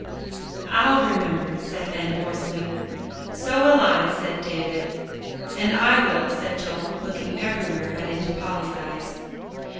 "I'll remember," said Ben hoarsely. "So will I," said David. "And I will," said Joel, looking everywhere but into Polly's eyes.